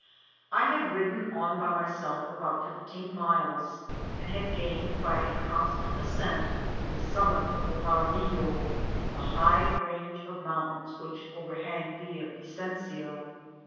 I had ridden on by myself about fifteen miles, and had gained, by a constant ascent, the summit of the Paramillo, the high range of mountains which overhang Villa Vicencia.